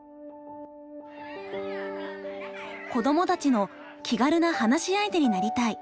子どもたちの気軽な話し相手になりたい。